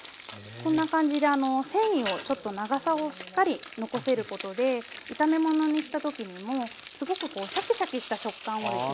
こんな感じで繊維をちょっと長さをしっかり残せることで炒め物にした時にもすごくこうシャキシャキした食感をですね。